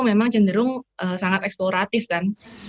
memang cenderung sangat eksploratif kan